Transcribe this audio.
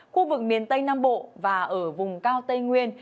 khu vực miền tây nam bộ và ở vùng cao tây nguyên